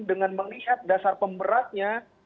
dengan melihat dasar pemberatnya